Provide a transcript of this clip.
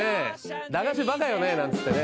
駄菓子バカよねなんつってね。